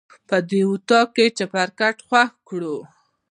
په دې اطاق کې چپرکټ خوښ کړه.